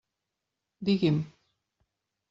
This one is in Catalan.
Digui'm.